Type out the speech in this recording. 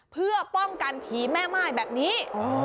เพื่อป้องกันผีแม่ม่ายแบบนี้